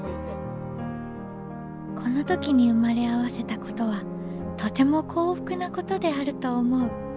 「この時に生まれ合わせたことはとても幸福なことであると思う。